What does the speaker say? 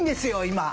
今。